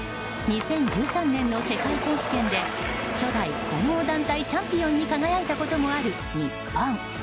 ２０１３年の世界選手権で初代混合団体チャンピオンに輝いたこともある日本。